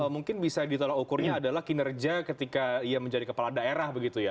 mungkin bisa ditolak ukurnya adalah kinerja ketika ia menjadi kepala daerah begitu ya